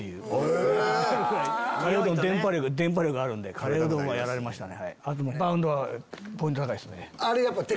カレーうどんはやられましたね。